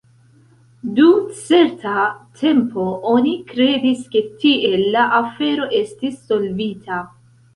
Dum certa tempo oni kredis, ke tiel la afero estis solvita.